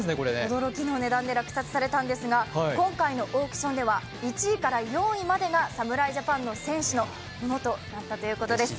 驚きの値段で落札されたんですが、今回のオークションでは１位から４位までが侍ジャパンの選手のものだということです。